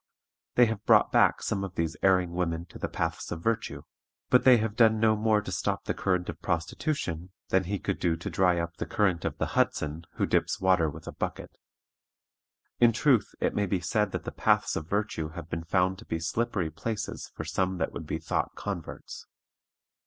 They have brought back some of these erring women to the paths of virtue, but they have done no more to stop the current of prostitution than he could do to dry up the current of the Hudson who dips water with a bucket. In truth it may be said that the paths of virtue have been found to be slippery places for some that would be thought converts.